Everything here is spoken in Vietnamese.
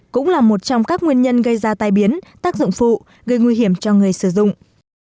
cũng là một trong các nguyên nhân gây ra tai biến tác dụng phụ gây nguy hiểm cho người sử dụng